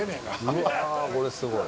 うわこれすごい。